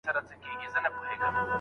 زوی موزيم ته تللی دی.